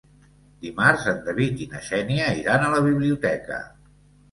Dimarts en David i na Xènia iran a la biblioteca.